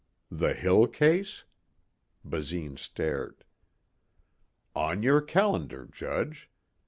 "The Hill case?" Basine stared. "On your calendar, Judge.